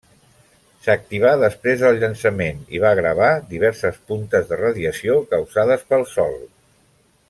S'activà després del llançament i va gravar diverses puntes de radiació causades pel Sol.